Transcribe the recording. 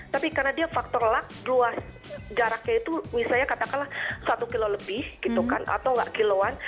tapi karena dia faktor luck luas jaraknya itu misalnya katakanlah satu kilo lebih gitu kan atau nggak kiloan